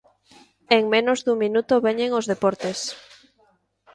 En menos dun minuto veñen os deportes.